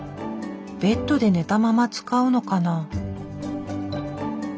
ベッドで寝たまま使うのかな？